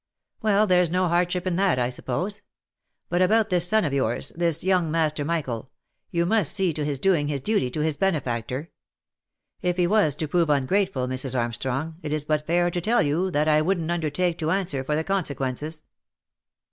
" Well, there's no hardship in that I suppose. But about this son of yours, this young Master Michael, you must see to his doing his duty to his benefactor, if he was to prove ungrateful, Mrs. Armstrong, it is but fair to tell you that I wouldn't undertake to answer for the consequences."